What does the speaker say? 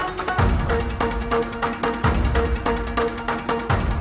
aku permisi yah